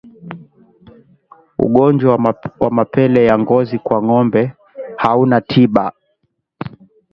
Ugonjwa wa mapele ya ngozi kwa ngombe hauna tiba